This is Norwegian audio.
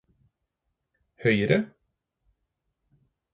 høyre